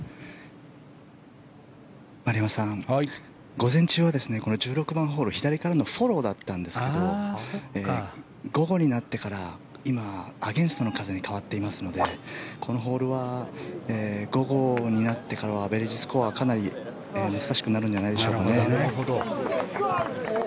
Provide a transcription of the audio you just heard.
丸山さん、午前中はこの１６番ホール左からのフォローだったんですけど午後になってから今、アゲンストの風に変わっていますのでこのホールは午後になってからはアベレージスコアはかなり難しくなるんじゃないでしょうか。